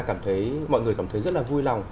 cảm thấy mọi người cảm thấy rất là vui lòng